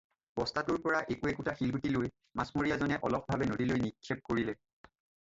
বস্তাটোৰ পৰা একো একোটা শিলগুটি লৈ মাছমৰীয়াজনে অলসভাবে নদীলৈ নিক্ষেপ কৰিলে।